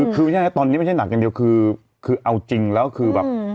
คือไม่ใช่นะตอนนี้ไม่ใช่หนักอย่างเดียวคือเอาจริงแล้วคือแบบ